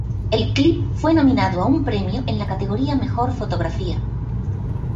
El clip fue nominado a un premio en la categoría Mejor fotografía.